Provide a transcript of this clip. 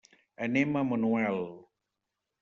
Anem a Manuel.